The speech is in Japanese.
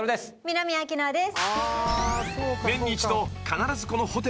南明奈です。